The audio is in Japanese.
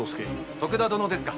徳田殿ですか。